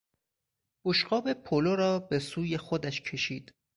بشقاب پلو را به سوی خودش کشید.